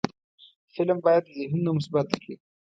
فلم باید ذهنونه مثبت کړي